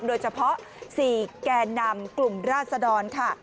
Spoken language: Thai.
โดยเฉพาะ๔แก่นำกลุ่มราศดรค่ะ